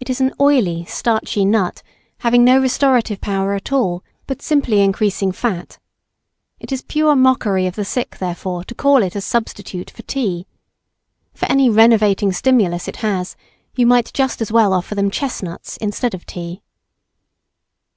It is an oily starchy nut having no restorative power at all, but simply increasing fat. It is pure mockery of the sick, therefore, to call it a substitute for tea. For any renovating stimulus it has, you might just as well offer them chestnuts instead of tea.